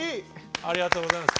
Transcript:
ありがとうございます。